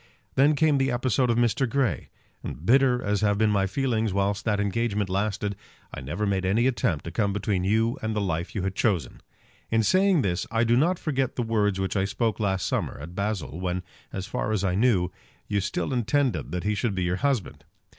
Then came the episode of Mr. Grey; and bitter as have been my feelings whilst that engagement lasted, I never made any attempt to come between you and the life you had chosen. In saying this I do not forget the words which I spoke last summer at Basle, when, as far as I knew, you still intended that he should be your husband.